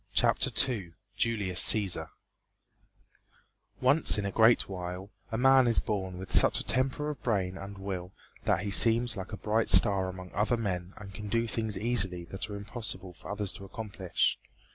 CHAPTER II JULIUS CÆSAR Once in a great while a man is born with such a temper of brain and will that he seems like a bright star among other men and can do things easily that are impossible for others to accomplish.